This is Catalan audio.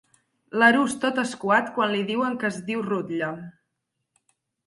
L'Arús tot escuat quan li diuen que es diu rutlla.